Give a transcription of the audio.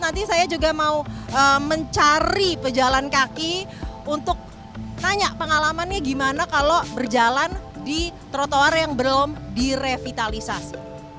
nanti saya juga mau mencari pejalan kaki untuk tanya pengalamannya gimana kalau berjalan di trotoar yang belum direvitalisasi